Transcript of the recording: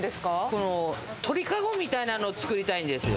この鳥かごみたいなのを作りたいんですよ。